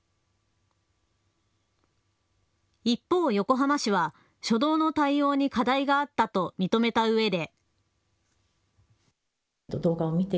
一方、横浜市は初動の対応に課題があったと認めたうえで。